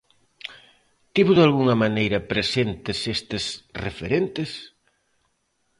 Tivo dalgunha maneira presentes estes referentes?